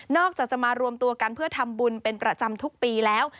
อกจากจะมารวมตัวกันเพื่อทำบุญเป็นประจำทุกปีแล้ว